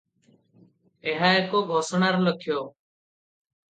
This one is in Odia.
ଏହା ଏ ଘୋଷଣାର ଲକ୍ଷ୍ୟ ।